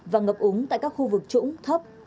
và ngập úng tại các khu vực trũng thấp